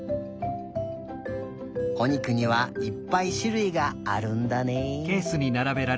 おにくにはいっぱいしゅるいがあるんだね。